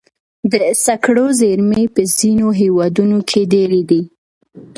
د سکرو زیرمې په ځینو هېوادونو کې ډېرې دي.